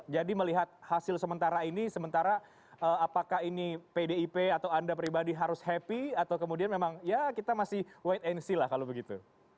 jadi melihat hasil sementara ini sementara apakah ini pdip atau anda pribadi harus happy atau kemudian memang ya kita masih wait and see lah kalau begitu